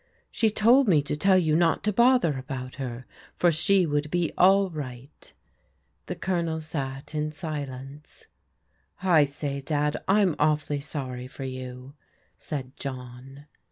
She told me to tell you not to bother about her, for she would be all right." The Colonel sat in silence. " I say, Dad, I'm awfully sorry for you," said John.